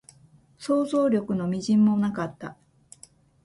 想像力の微塵もなかった